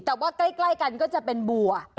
แต่ว่าใกล้กันก็จะเป็นบัว